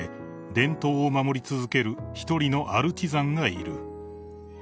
伝統を守り続ける一人のアルチザンがいる］